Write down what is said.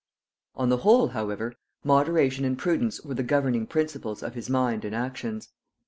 On the whole, however, moderation and prudence were the governing principles of his mind and actions.